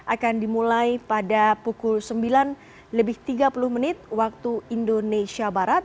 akan dimulai pada pukul sembilan lebih tiga puluh menit waktu indonesia barat